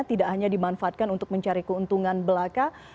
tidak hanya dimanfaatkan untuk mencari keuntungan belaka